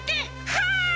はい！